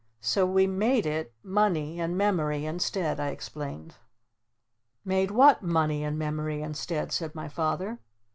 "So we made it 'Money' and 'Memory' instead," I explained. "Made what 'Money' and 'Memory' instead?" said my Father.